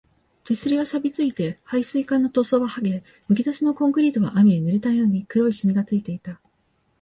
手すりは錆ついて、配水管の塗装ははげ、むき出しのコンクリートは雨で濡れたように黒いしみがついていた